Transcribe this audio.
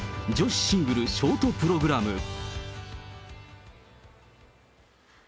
女子シングルショートプログラム。